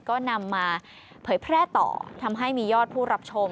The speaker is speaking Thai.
ก็นำมาเผยแพร่ต่อทำให้มียอดผู้รับชม